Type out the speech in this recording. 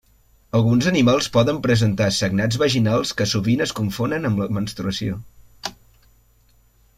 Alguns animals poden presentar sagnats vaginals que sovint es confonen amb la menstruació.